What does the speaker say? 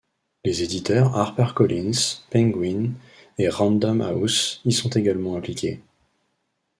Les éditeurs HarperCollins, Penguin et Random House y sont également impliqués.